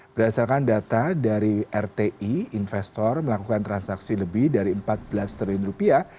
berdasarkan data dari rti investor melakukan transaksi lebih dari empat belas triliun rupiah